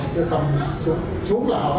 chứ không xuống lò